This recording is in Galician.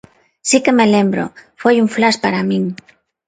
Si que me lembro, foi un flash para min